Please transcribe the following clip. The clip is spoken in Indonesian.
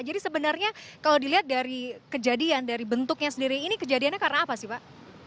jadi sebenarnya kalau dilihat dari kejadian dari bentuknya sendiri ini kejadiannya karena apa sih pak